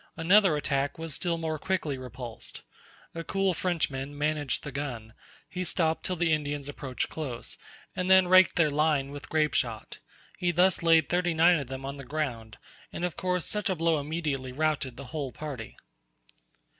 Another attack was still more quickly repulsed. A cool Frenchman managed the gun; he stopped till the Indians approached close, and then raked their line with grape shot: he thus laid thirty nine of them on the ground; and, of course, such a blow immediately routed the whole party.